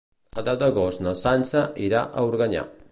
El deu d'agost na Sança irà a Organyà.